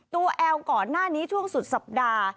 แอลก่อนหน้านี้ช่วงสุดสัปดาห์